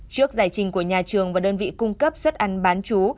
trước giải trình của nhà trường và đơn vị cung cấp suất ăn bán chú